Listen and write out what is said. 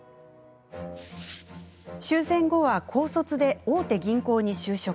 終戦後は高卒で大手銀行に就職。